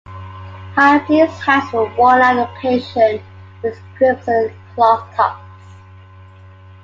High fleece hats were worn on occasion with crimson cloth tops.